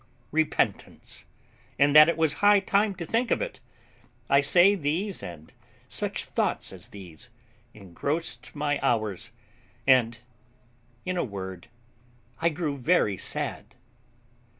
repentance, and that it was high time to think of it; I say these, and such thoughts as these, engrossed my hours, and, in a word, I grew very sad.